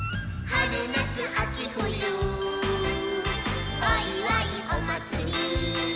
「はるなつあきふゆおいわいおまつり」